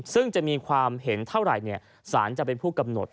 ซึ่งจะมีความเห็นเท่าไหร่สารจะเป็นผู้กำหนด